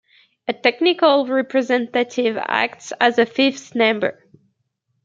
A technical representative acts as a fifth member.